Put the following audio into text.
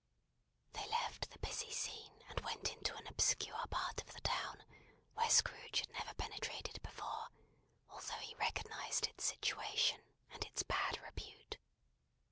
They left the busy scene, and went into an obscure part of the town, where Scrooge had never penetrated before, although he recognised its situation, and its bad repute.